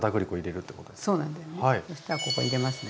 そしたらここ入れますね。